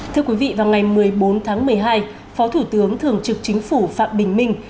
thưa quý vị vào ngày một mươi bốn tháng một mươi hai phó thủ tướng thường trực chính phủ phạm bình minh